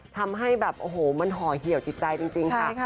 ทำให้แบบโอ้โหมันห่อเหี่ยวจิตใจจริงค่ะ